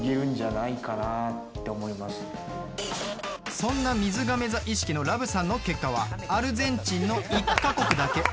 そんなみずがめ座意識のＬｏｖｅさんの結果はアルゼンチンの１カ国だけ。